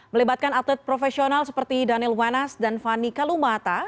melibatkan atlet profesional seperti daniel wenas dan fani kalumata